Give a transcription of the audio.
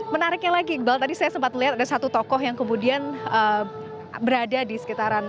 menariknya lagi iqbal tadi saya sempat melihat ada satu tokoh yang kemudian berada di sekitaran